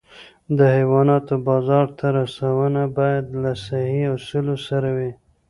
د حیواناتو بازار ته رسونه باید له صحي اصولو سره وي.